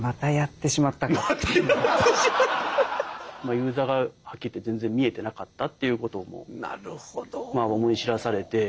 ユーザーがはっきり言って全然見えてなかったっていうことを思い知らされて。